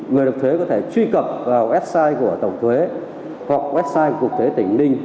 người nộp thuế có thể truy cập vào website của tổng thuế hoặc website của cục thuế tỉnh ninh